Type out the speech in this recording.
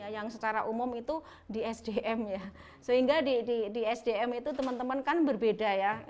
yang secara umum itu di sdm ya sehingga di sdm itu teman teman kan berbeda ya